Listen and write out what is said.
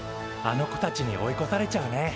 あの子たちに追いこされちゃうね。